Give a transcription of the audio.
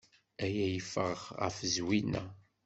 Aya yeffeɣ ɣef Zwina.